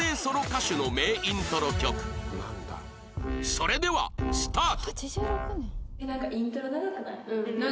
それではスタート！